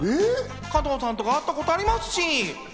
加藤さんとか、会ったことありますし。